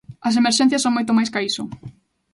As emerxencias son moito máis ca iso.